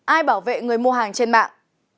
ai bảo vệ người mua hàng trên mạng